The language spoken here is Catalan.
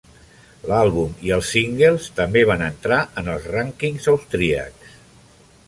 L'àlbum i els singles també van entrar en els rànquings austríacs.